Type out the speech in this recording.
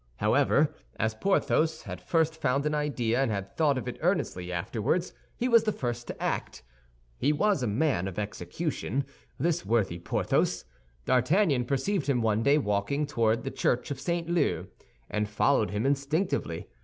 However, as Porthos had first found an idea, and had thought of it earnestly afterward, he was the first to act. He was a man of execution, this worthy Porthos. D'Artagnan perceived him one day walking toward the church of St. Leu, and followed him instinctively.